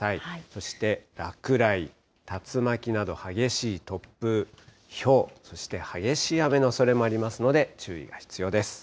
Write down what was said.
そして落雷、竜巻など、激しい突風、ひょう、そして激しい雨のおそれもありますので、注意が必要です。